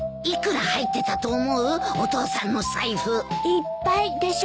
いっぱいでしょ？